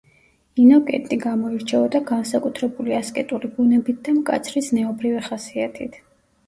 ინოკენტი გამოირჩეოდა განსაკუთრებული ასკეტური ბუნებით და მკაცრი ზნეობრივი ხასიათით.